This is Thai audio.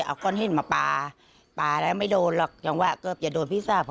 เอาก้อนขี้มาปาปาแล้วไม่โดนหรอกยังว่าก็เผยโดนพี่ทร่าพ